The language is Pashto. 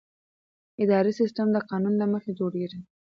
اداري سیستم د قانون له مخې جوړېږي.